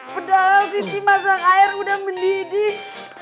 padahal siti masang air udah mendidih